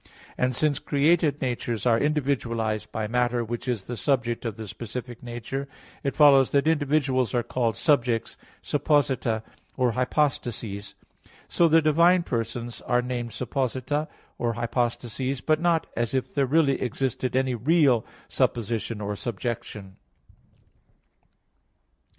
And since created natures are individualized by matter which is the subject of the specific nature, it follows that individuals are called "subjects," supposita, or "hypostases." So the divine persons are named supposita or "hypostases," but not as if there really existed any real "supposition" or "subjection."